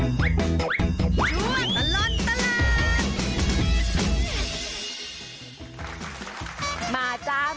ชวนตลอดสลิง